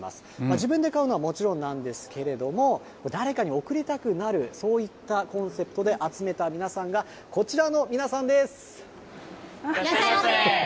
自分で買うのはもちろんなんですけれども、誰かに贈りたくなる、そういったコンセプトで集めた皆さんが、いらっしゃいませ。